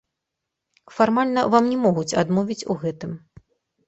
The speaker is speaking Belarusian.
Фармальна вам не могуць адмовіць у гэтым.